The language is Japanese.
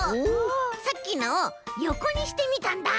さっきのをよこにしてみたんだ！